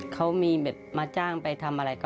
เขามีแบบมาจ้างไปทำอะไรนะครับ